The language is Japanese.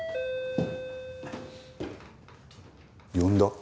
呼んだ？